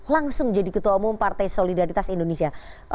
langsung jadi ketua umum partai solidaritas indonesia